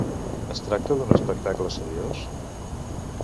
Es tracta d'un espectacle seriós?